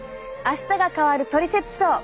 「あしたが変わるトリセツショー」